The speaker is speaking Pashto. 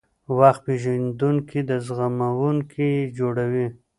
وخت پېژندونکي او زغموونکي یې جوړوي.